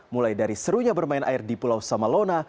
mulai dari serunya bermain air di pulau samalona